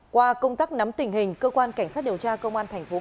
qua công tác nắm tình hình cơ quan cảnh sát điều tra công an tp hcm phát hiện